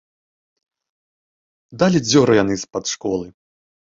Далі дзёру яны з-пад школы.